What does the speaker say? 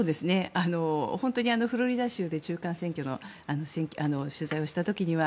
本当にフロリダ州で中間選挙の取材をした時には